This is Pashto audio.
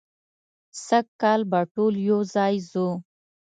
سږ کال به ټول یو ځای ځو.